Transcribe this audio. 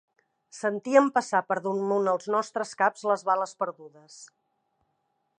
Sentíem passar per damunt els nostres caps les bales perdudes.